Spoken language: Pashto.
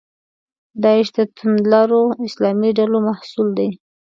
داعش د توندلارو اسلامي ډلو محصول دی.